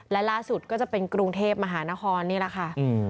และล่าสุดก็จะเป็นกรุงเทพมหานครนี่แหละค่ะ